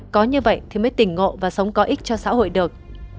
có như vậy thì mới tỉnh ngộ và sống có ích cho xã hội được